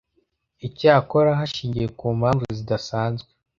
icyakora, hashingiwe ku mpamvu zidasanzwe,